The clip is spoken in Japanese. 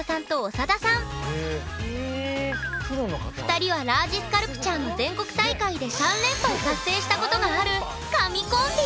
２人はラージスカルプチャーの全国大会で３連覇を達成したことがある神コンビ！